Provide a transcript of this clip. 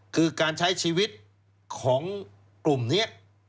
คือการใช้ชีวิตของกลุ่มนี้